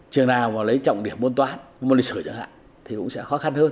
trường nào mà lấy trọng điểm môn toán môn lịch sửa chẳng hạn thì cũng sẽ khó khăn